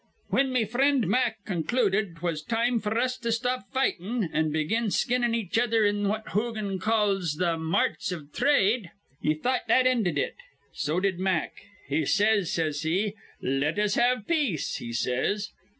"Whin me frind Mack con cluded 'twas time f'r us to stop fightin' an' begin skinning each other in what Hogan calls th' marts iv thrade, ye thought that ended it. So did Mack. He says, says he, 'Let us have peace,' he says.